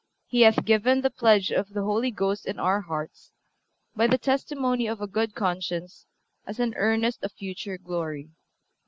He hath given the pledge of the Holy Ghost in our hearts, by the testimony of a good conscience, as an earnest of future glory.